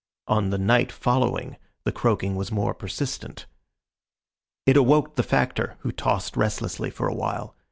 On the night following the croaking was more persistent. It awoke the Factor, who tossed restlessly for a while.